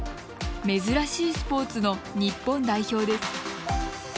珍しいスポーツの日本代表です。